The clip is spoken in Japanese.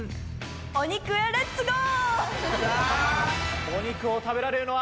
お肉へレッツゴー！